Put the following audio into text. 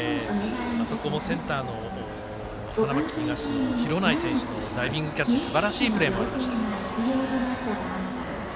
あそこもセンターの花巻東廣内選手のダイビングキャッチすばらしいプレーありました。